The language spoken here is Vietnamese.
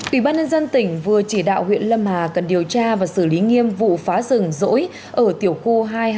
ủy ban nhân dân tỉnh vừa chỉ đạo huyện lâm hà cần điều tra và xử lý nghiêm vụ phá rừng rỗi ở tiểu khu hai trăm hai mươi hai